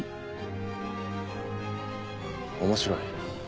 面白い。